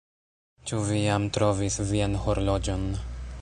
Ĉu vi jam trovis vian horloĝon?